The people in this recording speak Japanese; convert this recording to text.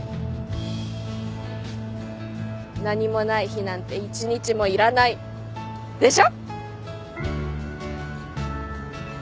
「何もない日なんて１日もいらない」でしょ？